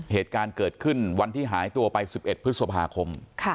เหตุการณ์เกิดขึ้นวันที่หายตัวไป๑๑พฤษภาคม